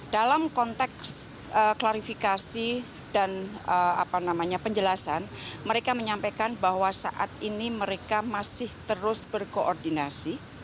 dalam konteks klarifikasi dan penjelasan mereka menyampaikan bahwa saat ini mereka masih terus berkoordinasi